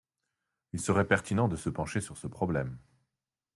Il serait pertinent de se pencher sur ce problème.